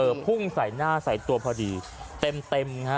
พุ่งใส่หน้าใส่ตัวพอดีเต็มเต็มฮะ